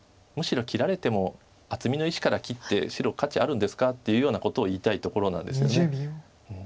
むしろ切られても厚みの石から切って白価値あるんですかっていうようなことを言いたいところなんですよね。